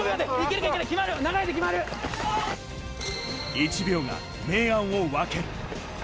１秒が明暗を分ける。